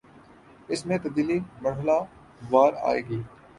اس میں تبدیلی مرحلہ وار آئے گی